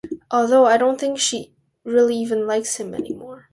Although, I don't think she really even likes him anymore.